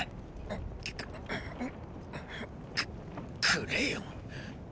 くくれよ。